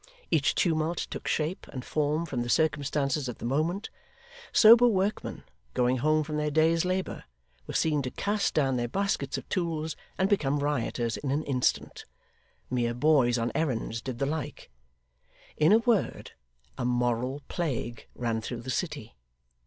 Each tumult took shape and form from the circumstances of the moment; sober workmen, going home from their day's labour, were seen to cast down their baskets of tools and become rioters in an instant; mere boys on errands did the like. In a word, a moral plague ran through the city.